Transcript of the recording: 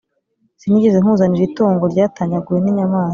Sinigeze nkuzanira itungo ryatanyaguwe n inyamaswa